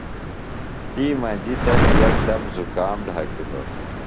تی مجیۡ تس یکدم زُکام ڈھکِلوۡ۔